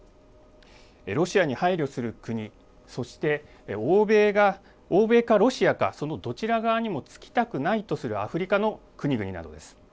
ロシアに配慮する国そして欧米かロシアかそのどちら側にもつきたくないとするアフリカの国々などです。